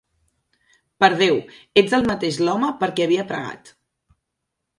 Per Déu, ets el mateix l'home per qui havia pregat.